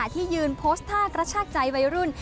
ที่ยืนโพสตาฯรัชชาติใจใบรุ่น